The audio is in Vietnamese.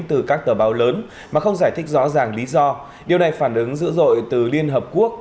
từ các tờ báo lớn mà không giải thích rõ ràng lý do điều này phản ứng dữ dội từ liên hợp quốc